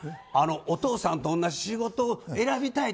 お父さんと同じ仕事を選びたいって。